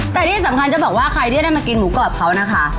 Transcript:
แต่ที่สำคัญจะบอกว่าใครที่จะได้มากินหมูกรอบเขานะคะ